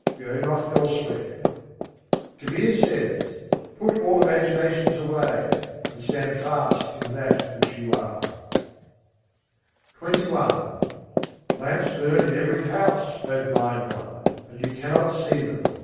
go not elsewhere, Kabîr says: "Put all imaginations away, and stand fast in that which you are." XXI II. 33. ghar ghar dîpak barai Lamps burn in every house, O blind one! and you cannot see them.